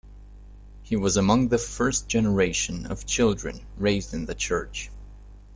He was among the first generation of children raised in the church.